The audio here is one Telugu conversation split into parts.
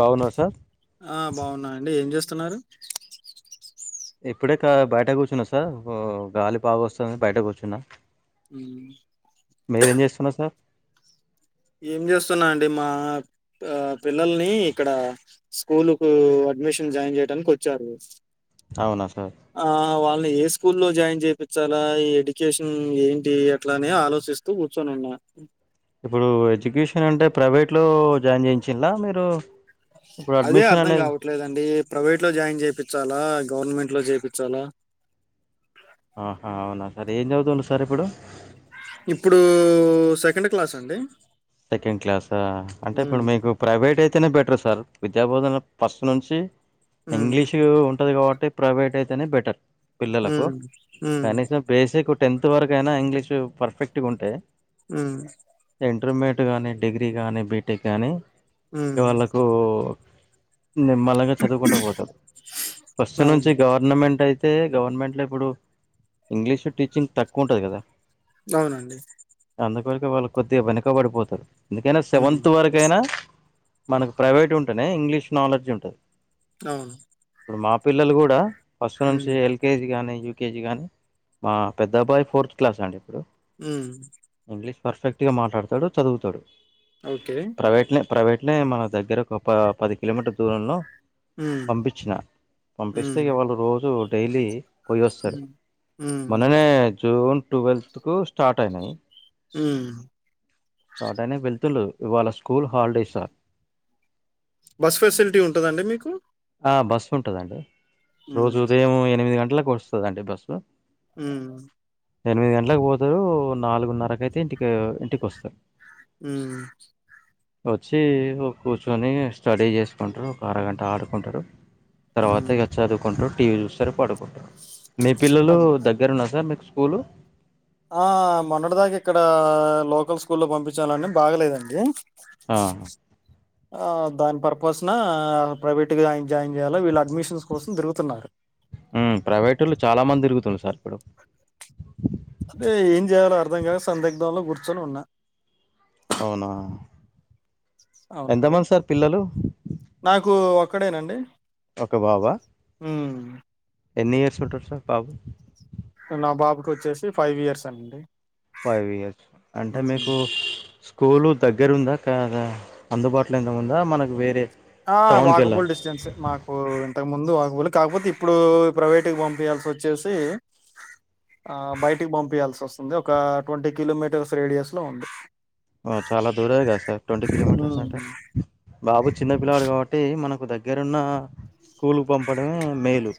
బాగున్నార సార్ ఆ బాగున్నాండి ఏం చేస్తున్నారు ఇప్పుడే బయట కూచున్నా సార్ గాలి బాగా వస్తుంది బయట కుర్చున్నా ఉ మీరేం చేస్తున్న సార్ ఏం చేస్తున్నా అండి మా పిల్లల్ని ఇక్కడ స్కూల్ కు అడ్మిషన్ జాయిన్ చేయడానికి వచ్చారు అవున సార్ ఆ వాళ్ళని ఏ స్కూల్ల్లో జాయిన్ చెపిచాలా ఈ ఎడ్యుకేషన్ ఏంటి అట్లానే ఆలోచిస్త తూ కూచొనైన ఇప్పుడు ఎడ్యుకేషన్ అంటే ప్రైవేట్ లో జాయిన్ చేయించిలా మీరు ఇప్పుడు అదే అడ్మిషన్ అర్ధం అనేది కావట్లేదండి ప్రైవేట్ లో జాయిన్ చేపించాలా గవర్నమెంట్ లో చేపించాలా ఆహా అవునా సార్ ఏం చదువుతుండు సార్ ఇప్పుడు ఇప్పుడు సెకండ్ క్లాస్ అండి సెకండ్ క్లాస అంటే ఇప్పుడు హ్మ్ మీకు ప్రైవేట్ అయితేనే బెటర్ సార్ విద్యా బోధనా ఫస్ట్ నుంచి హ్మ్ ఇంగ్లీష్ ఉంటది కాబట్టి ప్రైవేట్ అయితేనే బెటర్ పిల్లలకు హ్మ్ హ్మ్ కనీసం బేసిక్ టెన్త్ వరకు అయినా ఇంగ్లీష పర్ఫెక్ట్గా ఉంటె ఉ ఇంటర్మీడియట్ కానీ డిగ్రీ కానీ బీటెక్ కానీ హ్మ్ వాళ్ళకు నిమ్మలగా చదువుకుంట పోతారు ఫస్ట్ నుంచి అవును గవర్ వర్నమెంట్ అయితే గవర్నమెంట్లో ఇప్పుడు ఇంగ్లీష్ టీచింగ్ తక్కువ ఉంటది కదా అవునండి అందుకోరకే వాళ్ళు కొద్దిగా వెనకబడిపోతారు ఎందుకైనా హ్మ్ సెవెంత్ వర కైనా మనకు ప్రైవేట్ ఉంటేనే ఇంగ్లీష్ నాలెడ్జ్ ఉంటది అవును ఇప్పుడు మా పిల్లలు కూడా ఫస్ట్ నుంచి హ్మ్ ఎల్ కేజి గాని యూకేజి గాని మా పెద్ద అబ్బాయి ఫోర్త్ క్లాస్ అండి ఇప్పుడు ఉ ఇంగ్లీష్ పర్ఫెక్ట్ గా మాట్లాడతాడు చదువుతాడు ఓకే ప్రైవేట్నే ప్రైవేట్నే మన దగ్గర ఒక ప పది కిలోమీటర్ దూరంలో హ్మ్. పంపించిన పంపిస్తే హ్మ్. ఇగా వాళ్ళు రోజు డైలీ పోయి వస్తారు హ్మ్. హ్మ్. మొన్ననే జూన్ ట్వెల్త్కు స్టార్ట్ అయినాయి హ స్టార్ట్ అయినాయి వెళ్తులు ఇవాళ school holiday sir bus facility ఉంటదండి మీకు బస్సు ఉంటదండి రోజు హ్మ్. ఉదయం ఎనిమిది గంటలకు వస్తదండి బస్సు ఉ ఎనిమిది గంటలలకు పోతారు నాలుగున్నరకు అయితే ఇంటికి ఇంటికి వస్తారు ఉమ్ వచ్చి ఇగ కూర్చోని ఇగ స్టడీ చేసుకుంటారు ఒక అరగంట ఆడు కుంటారు తర్వాత హ్మ్. ఇగ చదువుకుంటారు టీవీ చూస్తారు పడుకుంటారు మీ పిల్లలు అదే. దగ్గ దగ్గర ఉన్న ద మీకు స్కూలు ఆ మొన్నటి దాకా ఇక్కడ లోకల్ స్కూల్లో పంపించానండి బాగలేదండి ఆ ఆ దాని పర్పస్ న ఆ ప్రైవేట్ గా జాయిన్ జెయల వీళ్ళు అడ్మిషన్స్ కోసం తిరుగుతున్నారు ఉమ్ ప్రైవేటోళ్ళు చాలా మంది తిరుగుతుండ్రు సార్ ఇప్పుడు అదే ఏం చేయాలో అర్థం కాక సందిగ్ధంలో కూర్చొని ఉన్నా అవునా అవునా అండి ఎంతమంది సార్ పిల్లలు నాకు ఒక్కడేనా అండి ఒక బాబు అ ఉమ్ ఎన్ని ఇయర్స్ ఉంటారు సార్ బాబు నా బాబుకి వచ్చేసి ఫైవ్ ఇయర్స్ అండి ఫైవ్ ఇయర్స్ అంటే హ్మ్. మీకు స్ కులు దగ్గర ఉందా కదా అందుబాటులో ఉందా మనకు వేరే ఆ టౌన్కి వాక్బుల్ వెళ్ళాలి డిస్టెన్స్ ఎ మాకు కు ఇంతకు ముందు వాక్బలు కాకపోతే ఇప్పుడు ప్రైవేటుకిి పంపయాల్సి వచ్చేసి ఆ బయటికి పంపియాల్సి వస్తుంది ఒక ట్వంటీ కిలోమీటర్స్ రేడియస్ లో ఉంది. అ చాలా దూరమే కదా సార్ ట్వంటీ కిలోమీటర్స్ హ్మ్. అంటే బాబు చిన్న పిల్లాడు కాబట్టి మనకు దగ్గరున్న స్కూల్కి పంపడమే మేలు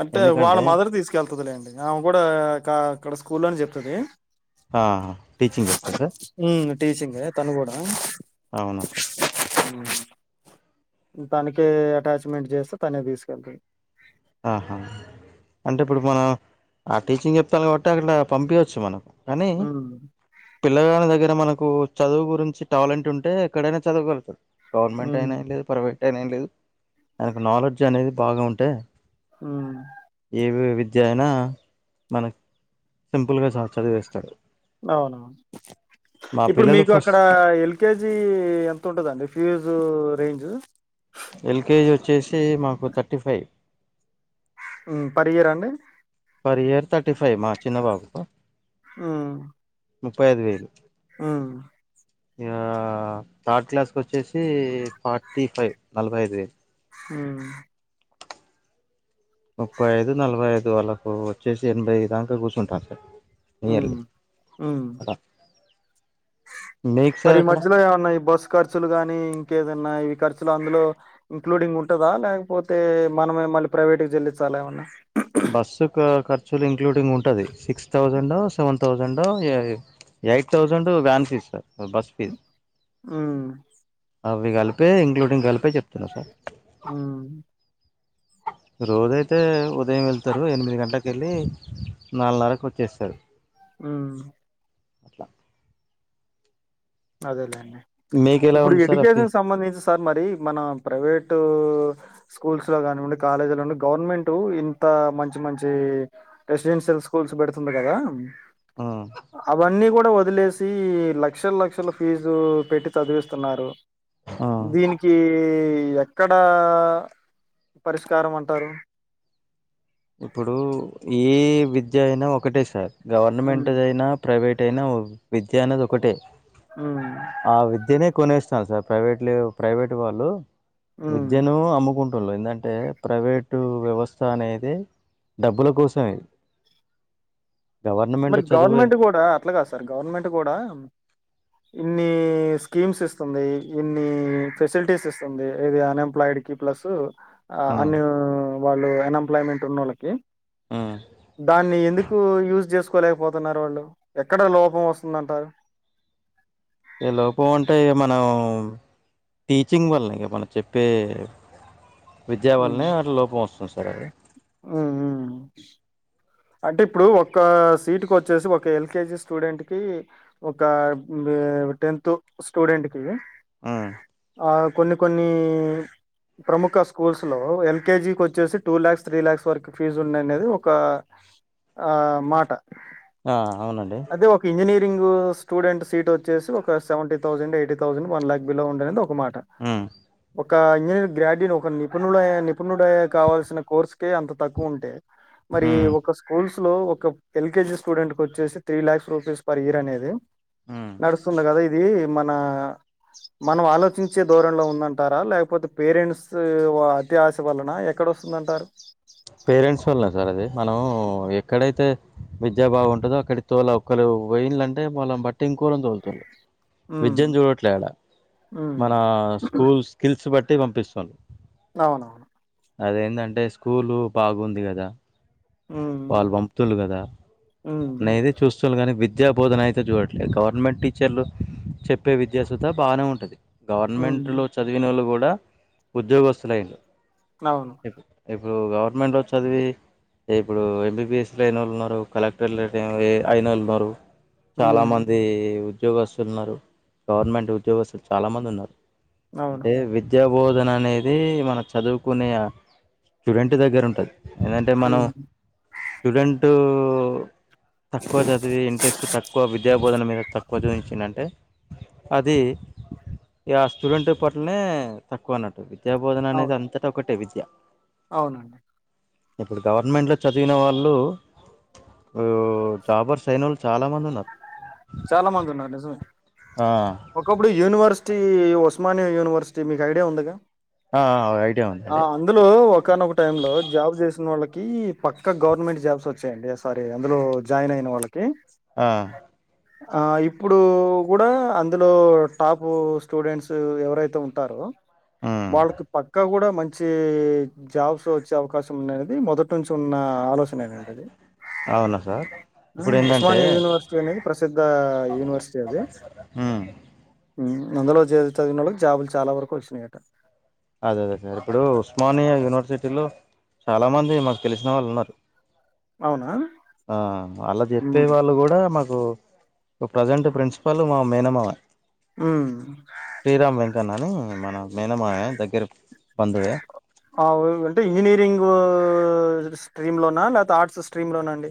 అంటే వాళ్ళ ఎందుకంటే మదర్ తీసుకెళ్తదిలేండి ఆమె గుడా కా అక్కడ స్కూల్లోనే చెప్తది ఆ టీచింగ్ చెప్తా సార్ ఉమ్ టీచింగ్ ఆ తను గుడా అవునా సార్ తనకే ఎటాచ్మెంట్ చేస్తే తనే తీసుకెళ్తది ఆహా అంటే ఇప్పుడు మనం ఆ టీచింగ్ చెప్తాంది కాబట్టి అక్కడ పంపియొచ్చు మనం అనీ హ్మ్. పిల్లగాల్ల దగ్గర మనకు చదువు గురించి టాలెంట్ ఉంటే ఎక్కడైనా చదువుగలుగుతారు గవర్నమెంట్ హ్మ్. అయినా ఎం లేదు ప్రైవేట్ అయినా ఎం లేదు ఆయనికి నాలెడ్జ్ అనేది బాగా ఉంటే ఉమ్ ఏవివ్ విద్య అయినా మనకు సింపుల్గా చ చదివేస్తారు. అవునవును ఇప్పుడు పిల్లలు మీకు అక్కడ ఫస్ట్ ఎల్ కేజీ ఎంత ఉంటదండి ఫీజు రేంజ్ ఎల్కేజీ వచ్చేసి మాకు thirty five um per year అ అండి పర్ ఇయర్ థర్టీ ఫైవ్ మా చిన్నా బాబుకు ఉమ్ ముప్పై ఐదు వేలు ఉమ్ ఇగా థర్డ్ క్లాస్కి వచ్చేసి ఫార్టీ ఫైవ్ నలభై ఐదు వేలు ఉహు ముప్పై ఐదు నలభై ఐదు వాళ్ళకు వచ్చేసి ఎనభై ఐదాంక కూర్చుంటాను సార్ నియర్లీ ఉమ్ ఉమ్ అలా మీకు మరి సార్ ఈ అక్కడ మధ్యలో ఏవన్నా ఇ బస్సు ఖర్చులు గానీ ఇంకేదన్నా ఇవి ఖర్చులు అందులో ఇంక్లూడింగ్ ఉంటదా లేకపోతే మనమే మళ్ళీ ప్రైవేటుకి జెల్లీచ్చలా ఏమన్నా బస్సు కు ఖర్చులు ఇంక్లూడింగ్ ఉంటది సిక్స్ థౌజండ్ ఒ సెవెన్ థౌజండ్ ఒ ఏ eight thousand van fees sir bus fee ఉమ్ అవి కలిపే ఇంక్లూడింగ్ కలిపే చెప్తున్నా సార్ ఉమ్ రోజైతే ఉదయం వెళ్తారు ఎనిమిది గంటలకు వెళ్ళి నాలుగున్నరకు వచ్చేస్తారు. ఉమ్ అట్లా అదేలేండి మీకు ఎలా ఇప్పుడు ఉంది సార్ అఫీ ఎడ్యుకేషన్ సంబంధించ సార్ మరి మన ప్రైవేటు స్కూల్స్ లో కానివ్వండి కాలేజీ లో ఉండి గవర్నమెంట్ ఇంత మంచి మంచి రెసిడెన్షియల్ స్కూల్స్ పెడుతుంది కదా అవన్నీ గూడ వొదిలేసీ లక్షల్ లక్ష క్షల ఫీజూ పెట్టి చదివిస్తున్నారూ దీని కీ యెక్కడా పరిష్కారమంటారూ ఇప్పుడూ యే విద్యయినా ఒకటే సార్ ఉమ్ గవర్నమెంటుదయినా ప్రైవేటయినా విద్య అనేదొకటే ఉ ఆ విద్యనే కొనేస్తాన్రు సార్ ప్రైవేట్ లే ప్రైవేటు వాళ్లూ ఉమ్ విద్యనూ అమ్ముకుంటున్లు ఎందంటే ప్రైవేటూ వ్యవస్థ అనేదీ డబ్బుల కోసమే గవర్నమెంట్ మరి చదువే గవర్నమెంట్ కూడా అట్ల గాద్ సార్ గవర్నమెంట్ గూడా ఇన్నీ స్కీమ్స్ ఇస్తుందీ ఇన్నీ ఫెసిలిటీస్ ఇస్తుందీ ఇది అన్ఎంప్లాయిడ్ కీ ప్లస్స్ అ ఆ అన్ వాళ్లూ అన్ఎంప్లాయ్మెంట్ ఉన్నోళ్ళకీ ఉ దాన్ని ఎందుకూ యూజ్ జేసుకోలేకపోతున్నారు వాళ్ళు ఎక్కడ లోపం వస్తుందంటారు ఎ లోపమంటే ఇగ మనం టీచింగ్ వల్లే ఇగ మన చెప్పే విద్యా వల్లనే అట్ల లోపం అస్తుంది సార్ అది ఉ ఉ అంటే ఇప్పుడూ ఒక్కా సీటుకొచ్చేసి ఒక ఎల్కేజీ స్టూడెంట్ కీ ఒకా టెన్తు స్టూడెంట్ కీ ఉ ఆ కొన్ని కొన్నీ ప్రముఖ స్కూల్స్ లో ఎల్కేజీకొచ్చేసి టూ ల్యాక్స్ త్రీ ల్యాక్స్ వరకు ఫీజు ఉన్నయనేదీ ఒకా ఆ మాట ఆ అవునండి అదే ఒక ఇంజనీరింగూ స్టూడెంట్ సీటొచ్చేసి ఒక seventy thousand eighty thousand one lakh below ఉందనేదొక మాట ఉ ఒకా ఇంజనీర్ గ్రాడ్యుయేట్ ఒక నిపుణుడయే నిపుణుడే కావల్సిన కోర్సుకే అంత తక్కువుంటే మరీ ఉమ్ ఒ క్క స్కూల్స్ లో ఒక ఎల్కేజీ స్టూడెంట్ కొచ్చేసి three lakhs rupees per year అనేదీ ఉమ్ నడుస్తుంది గద ఇదీ మనా మనం ఆలోచించే దోరన్లో ఉందంటారా లేకపోతె పేరెంట్సూ వా త్యాస వలనా ఎక్కడొస్తుందంటారు పేరెంట్స్ వల్నే సార్ అదీ మనం ఎక్కడైతే విద్యా బావముంటదో అక్కడి తోలా ఒక్కలూ వోయిన్లంటే వాళ్లన్ బట్టి ఇంకోలన్ దోల్తరు ఉమ్, విద్యన్ జూడట్లే ఆడా ఉమ్, మనా స్కూల్ స్కిల్స్ బట్టి పంపిస్తాన్రు అవును అదేంటంటే స్కూలూ బాగుంది గదా ఉమ్, వాల్ బంపుతున్లు గదా ఉమ్, నేది చూస్తున్లు గానీ విద్యా బోధన అయితే జూడట్లేదు గవర్నమెంట్ టీచర్లు చెప్పే విద్యాసుత బానే ఉంటది ఉమ్, గవర్నమెంట్లో చదివినోళ్ళు గూడా ఉద్యోగస్తులయిన్లు నవును ఇప్పుడూ గవర్నమెంట్లో చదివీ ఇప్పుడూ ఎంబీబీఎస్ లయినోళ్లున్నరూ కలెక్టర్లు [unintelligible] అయినోళ్లున్నరూ చాలా ఉమ్, మందీ ఉద్యోగస్తులు ఉన్నరు గవర్నమెంట్ ఉద్యోగస్తులు చాలా మంది ఉన్నరు. అవును అంటే విద్యా బోధన అనేదీ మనం చదువుకునే అ స్టూడెంట్ దగ్గర ఉంటది ఏదంటే మనం ఉమ్, స్టూడెంట్ ఊ తక్కువ చదివి ఇంట్రెస్ట్ తక్కువ విద్యా బోధన మీద తక్కువ జూయించిండు అంటే అదీ ఈఆ స్టూడెంట్ పట్లనే తక్కువ అన్నట్టు. విద్యా బోధన అవును అనేది అంతట ఒకటే విద్యా అవునండి ఇప్పుడు గవర్నమెంట్ లో చదివిన వాళ్ళు. ఓ జాబర్స్ అయినోల్లు చాలా మంది ఉన్నరు. చాలా మంది ఉన్నారు నిజమే ఆ ఒకప్పుడు యూనివర్సిటీ ఉస్మానియా యూనివర్సిటీ మీకు ఐడియా ఉందిగా. ఆ ఆ ఐడియా ఆ ఉందండి. అందులో ఒకానొక టైం లో జాబ్ చేశినోళ్ళకీ పక్కా గవర్నమెంట్ జాబ్స్ వచ్చాయండి అస్ అరే అందులో జాయిన్ అయిన వాళ్ళకీ. ఆ ఆ ఇప్పుడూ గూడా అందులో టాపూ స్టూడెంట్సూ ఎవరైతే ఉంటారో. ఉమ్ వాళ్ళకి పక్కా గూడా మం చీ ఇ జాబ్స్ వచ్చే అవకాశం ఉన్నదనేది మొదటి నుంచి ఉన్నా ఆలోచనేనండి అది. అవునా సార్ ఇప్పుడు ఏందంటే [unintelligible] ప్రసిద్ధా ఆ యునివర్సిటీ అది. ఉమ్ ఉమ్ మద్యలో జేరి చదివినోళ్ళకి జాబులు చాలా వరకు వచ్చినాయి అటా. అదే అదే సార్ ఇప్పుడూ ఉస్మానియా యూనివర్సిటీలో చాలా మంది మాకు తెలిసిన వాళ్ళు ఉన్నారు. అవునా ఆ అల్ల జెప్పే ఉమ్. వాళ్ళు గూడా మాక్ పుడు ప్రెజెంట్ ప్రిన్సిపల్లు మా మేనమావే హ్ము శ్రీరామ్ వెంకన్న అనీ మన మేనమామే దగ్గర బంధువే. అవు అంటే ఇంజనీరింగూ స్ట్రీములోనా లేతే ఆర్ట్స్ స్ట్రీములోనా అండి.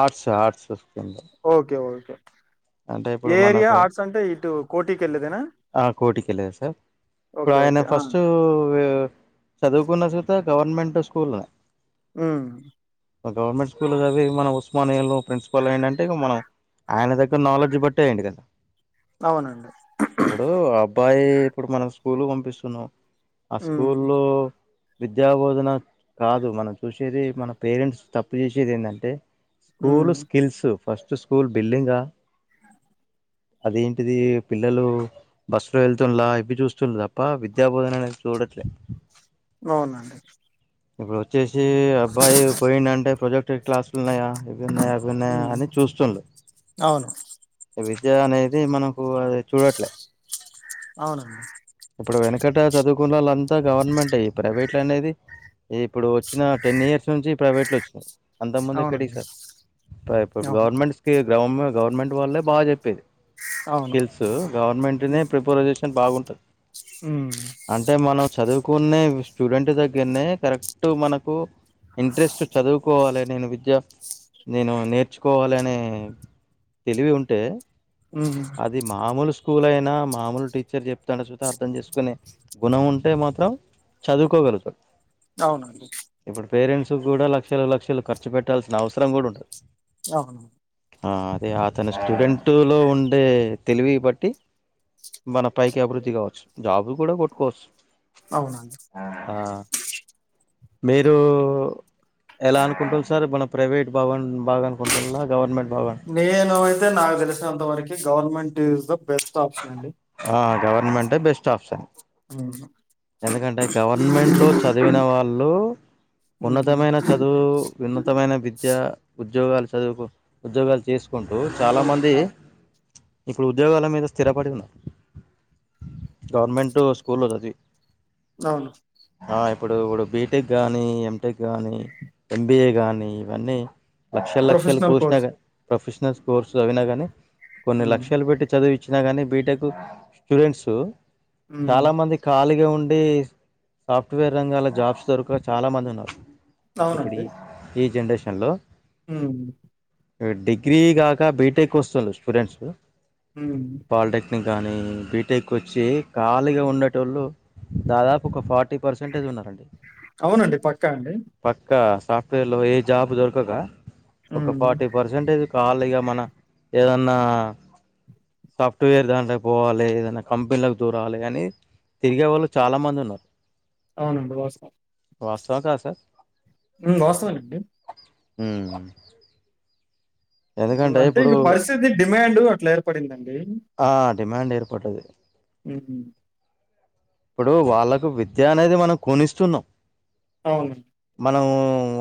ఆర్ట్స్ ఆర్ట్స్ స్ట్రీమ్ లో ఓకే ఓకే అంటే ఇప్పుడు ఏ ఏరియా మనకు ఆర్ట్స్ అంటే ఇటు కోటికెళ్ళేదేనా. ఆ కోటికి కెళ్ళెదే సార్ ఇప్పుడు ఆయన ఓకే ఆ ఫస్టూ వె చదువుకున్నా చూతా గవర్నమెంట్ స్కూళే ఉమ్ ఒ గవర్నమెంట్ స్కూల్లో చదివి మన ఉస్మానియా లో ప్రిన్సిపల్ అయిండంటే ఇగ మనం. ఆయన దగ్గర నాలెడ్జ్ బట్టే అయిండు గదా అవునండి ఇప్పుడూ అబ్బాయీ ఇప్పుడు మనం స్కూల్ కు పంపిస్తున్నాం ఆ ఉమ్ స్కూలూ. విద్యాబోధన కాదు మనం చూశేది మన పేరెంట్స్ తప్పు చేశేది ఏందంటే. ఉమ్ school skills first school building ఆ అదేంటిదీ పిల్లలూ బస్సు లో వెళ్తున్లా ఇవ్వి చూస్తున్లు తప్పా విద్యా బోధనా అనేది చూడట్లే. అవునండి ఇప్పుడు ఒచ్చేశీ అబ్బాయి పోయిండు అంటే ప్రొజెక్టర్ క్లాస్లు ఉన్నాయా. ఇవున్నాయా అవున్నాయా ఉమ్ అని చూస్తున్లు. అవును విద్య అనేది మనకు అది చూడట్లే అవును ఇప్పుడు వెనుకట చదువుకున్నోళ్లు అంతా గవర్నమెంటే ప్రైవేట్లు అనేది ఇప్పుడు వచ్చిన టెన్ ఇయర్స్ నుంచి ప్రైవేట్లు వచ్చినయి అంతకు ముందు ఎక్కడివి అవునండి సార్ ప్ర అవును గవర్నమెంట్ గవర్నమె గవర్నమెంట్ వాళ్ళే బాగా చెప్పేది అవును స్కిల్స్ గవర్నమెంట్నే ప్రిపోజేషన్ బాగుంటది ఉమ్ అంటే మన చదువుకునే స్టూడెంట్ దగ్గరనే కరెక్ట్ మనకు ఇంట్రెస్ట్ చదువుకోవాలె నేను విద్య నేను నేర్చుకోవాలనే తెలివి ఉంటే ఉమ్ అది మామూలు స్కూల్ అయినా మామూలు టీచర్ చెప్తాండు చుత అర్థం చేసుకునే గుణం ఉంటే మాత్రం చదువుకోగలుగుతాడు అవును ఇప్పుడు పేరెంట్స్ గుడా లక్షలు లక్షలు ఖర్చు పెట్టాల్సిన అవసరం గుడా ఉండదు అవును ఆ అదే అతని స్టూడెంటులో ఉండే తెలివి బట్టి మనం పైకి అభివృద్ధి గావచ్చు జాబ్లు కూడా కొట్టుకోవచ్చు అవునా ఆహా మీరు ఎలా అనుకుంటుల్ సార్ మనం ప్రైవేట్ బావ్ బాగా అనుకుంటుల్లా గవర్నమెంట్ బాగా నేను అయితే నాకు తెలిసినంతవరకు government is the best option అండి ఆ గవర్నమెంటే బెస్ట్ ఆప్షన్ ఉ హూ ఎందుకంటే గవర్నమెంట్ లో చదివిన వాళ్ళు ఉమ్ ఉన్నతమైన చదువు ఉన్నతమైన విద్య ఉద్యోగాలు చదువుకు ఉద్యోగాలు చేసుకుంటూ చాలా మంది ఆ, ఇప్పుడు ఉద్యోగాల మీద స్థిరపడి ఉన్నారు గవర్నమెంటు స్కూల్లో చదివి అవును ఆ ఇప్పుడు ఇప్పుడు బీటెక్ గాని ఎంటెక్ గానీ ఎంబిఏ గాని ఇవన్నీ లక్షల లక్షలు ప్రొఫెషనల్ పోశినా కోర్స్ గని ప్రొఫెషనల్ కోర్స్ చదివినా గానీ కొన్ని ఉమ్ లక్షలు పెట్టి చదివి ఇచ్చినా గానీ బీటెక్ స్టూడెంట్స్ ఉమ్ చాలా మంది ఖాళీగా ఉం డి సాఫ్ట్వేర్ రంగాల జాబ్స్ దొరక చాలా మంది ఉన్నారు ఇప్పుడు ఈ ఈ జనరేషన్ లో ఉమ్ ఎ డిగ్రీ గాక బీటెకు వస్తురు స్టూడెంట్స్ ఉమ్ పాలిటెక్నిక్ గానీ బీటెక్ వచ్చి ఖాళీగా ఉండేటోళ్ళు దాదాపు ఒక ఫార్టీ పర్సెంటేజ్ ఉన్నారండి అవునండి. పక్కా అండి. పక్కా సాఫ్ట్వేర్ లో ఏ జాబ్ దొరకకా ఒక హ్మ్. ఫార్టీ పర్సెం టేజ్ ఖాళిగా మన ఏదన్నా సాఫ్ట్వేర్ దాంట్లకి పోవాలె ఏదన్నా కంపెనీల దూరాలి అని తిరిగే వాళ్ళు చాలా మంది ఉన్నారు అవునండి వాస్తవం వాస్తవం రాస నువ్వు రాసవండి మ్ మ్ అంటే ఇప్పుడు ఇంగ పరిస్థితి డిమాండ్ అట్ల ఏర్పడిందండి. ఆ డిమాండ్ ఏర్పడ్డది. మ్ హు ఇప్పుడు వాళ్ళకు విద్య అనేది మనం కొనిస్తున్నా. అవును మనము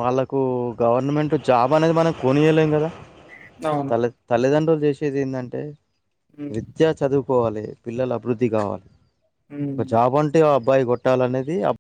వాళ్ళకు గవర్నమెంట్ జాబ్ అనేది మనం కొనియలేం గదా! అవును. తల తల్లిదండ్రులు చేశేది ఏందంటే హ్మ్. నిద్ విద్య చదువుకోవాలి పిల్లలు అభివృద్ధి గావాలి. ఒక హ్మ్. జాబ్ అంటే అబ్బాయి కొట్టాలనేది అబ్